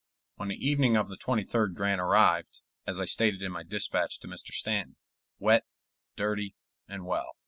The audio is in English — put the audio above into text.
On the evening of the 23d Grant arrived, as I stated in my dispatch to Mr. Stanton, "wet, dirty, and well."